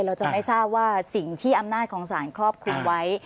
เราจะไม่ทราบว่าสิ่งที่อำนาจของสารครอบคลุมไว้